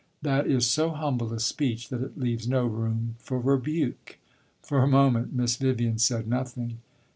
"That is so humble a speech that it leaves no room for rebuke." For a moment Miss Vivian said nothing.